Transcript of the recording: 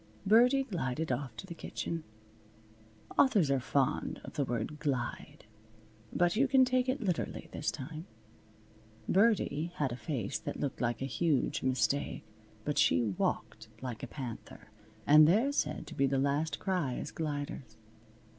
Birdie glided off to the kitchen. Authors are fond of the word "glide." But you can take it literally this time. Birdie had a face that looked like a huge mistake, but she walked like a panther, and they're said to be the last cry as gliders.